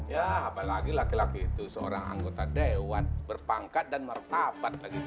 ya apalagi laki laki itu seorang anggota dewan berpangkat dan martabat lagi